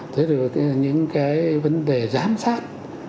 tới được những cái vấn đề giám sát